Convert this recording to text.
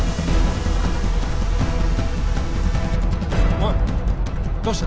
おいどうした？